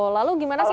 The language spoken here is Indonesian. lalu gimana sih